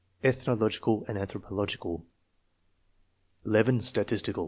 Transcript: Eth nological and Anthropological; (11) Statistical.